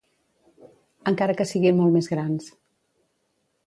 Encara que siguin molt més grans.